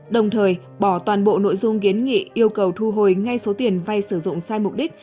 đồng thời bỏ toàn bộ nội dung kiến nghị yêu cầu thu hồi ngay số tiền vay sử dụng sai mục đích